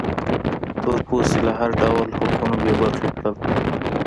تور پوستي له هر ډول حقونو بې برخې کړل.